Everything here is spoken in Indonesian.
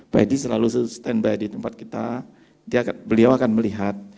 pak edi selalu stand by di tempat kita beliau akan melihat